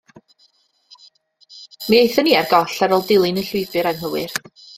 Mi aethon ni ar goll ar ôl dilyn y llwybr anghywir.